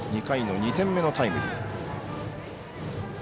２回の２点目のタイムリー。